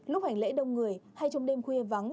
lúc hành lễ đông người hay trong đêm khuya vắng